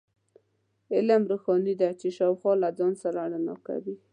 علم، روښنایي ده چې شاوخوا له ځان سره رڼا کوي.